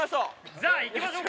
じゃあいきましょうか。